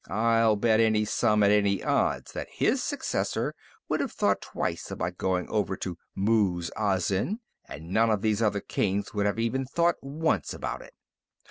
I'll bet any sum at any odds that his successor would have thought twice about going over to Muz Azin, and none of these other kings would have even thought once about it."